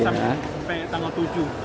sampai tanggal tujuh